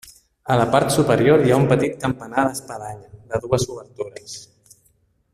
A la part superior hi ha un petit campanar d'espadanya, de dues obertures.